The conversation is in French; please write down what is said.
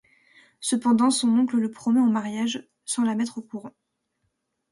Cependant, son oncle la promet en mariage sans la mettre au courant.